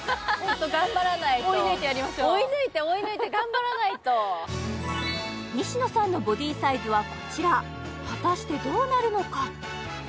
追い抜いてやりましょう頑張らないと西野さんのボディサイズはこちら果たしてどうなるのか？